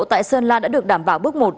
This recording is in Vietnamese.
tại sơn la đã được đảm bảo bước một